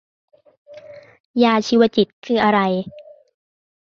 ยาชีวจิตคืออะไร